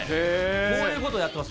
こういうことをやっています。